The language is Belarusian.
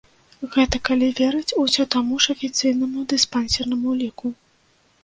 Гэта калі верыць усё таму ж афіцыйнаму дыспансернаму ўліку.